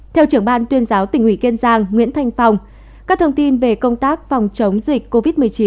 theo trưởng ban tuyên giáo tỉnh ủy kiên giang nguyễn thanh phong các thông tin về công tác phòng chống dịch covid một mươi chín